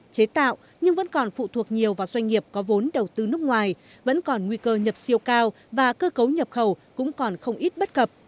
chế tạo nhưng vẫn còn phụ thuộc nhiều vào doanh nghiệp có vốn đầu tư nước ngoài vẫn còn nguy cơ nhập siêu cao và cơ cấu nhập khẩu cũng còn không ít bất cập